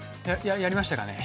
ややりましたかね。